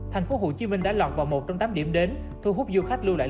tp hcm đã lọt vào một trong tám điểm đến thu hút du khách lưu lại